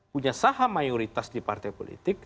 punya saham mayoritas di partai politik